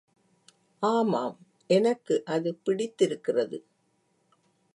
ஆமாம், எனக்கு அது பிடித்திருக்கிறது.